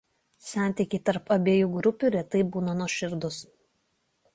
Santykiai tarp abiejų grupių retai būna nuoširdūs.